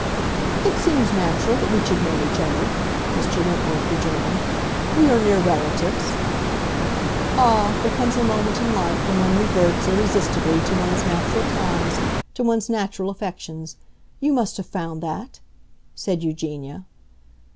"It seems natural that we should know each other," Mr. Wentworth rejoined. "We are near relatives." "Ah, there comes a moment in life when one reverts, irresistibly, to one's natural ties—to one's natural affections. You must have found that!" said Eugenia.